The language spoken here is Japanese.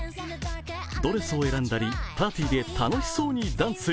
ドレスを選んだりパーティーで楽しそうにダンス。